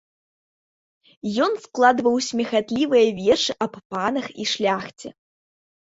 Ён складваў смехатлівыя вершы аб панах і шляхце.